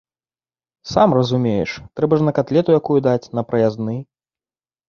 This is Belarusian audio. Сам разумееш, трэба ж на катлету якую даць, на праязны.